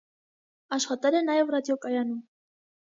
Աշխատել է նաև ռադիոկայանում։